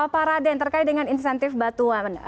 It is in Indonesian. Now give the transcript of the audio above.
pak raden terkait dengan insentif batuan